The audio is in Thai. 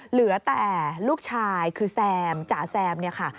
เหลือแต่ลูกชายคือแซมจ๋าแซมเนี่ยค่ะ